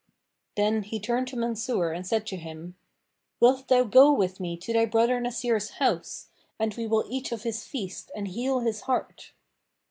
Then he turned to Mansur and said to him, "Wilt thou go with me to thy brother Nasir's house and we will eat of his feast and heal his heart?"